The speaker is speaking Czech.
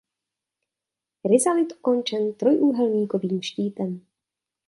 Rizalit ukončen trojúhelníkovým štítem.